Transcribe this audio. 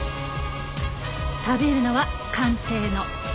食べるのは鑑定のあと！